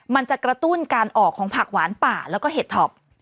มันจะกระตุ้นการออกของผักหวานป่าแล้วก็เห็ดท็อป